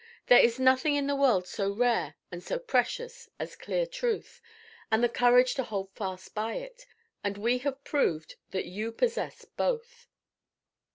There is nothing in the world so rare and so precious as clear truth, and the courage to hold fast by it; and we have proved that you possess both."